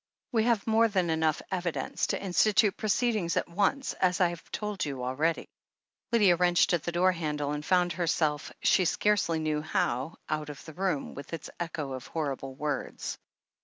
We have more than enough evidence to insti tute proceedings at once, as I have told you already." Lydia wrenched at the door handle and found her self, she scarcely knew how, out of the room, with its echo of horrible words.